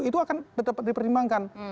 itu akan dipertimbangkan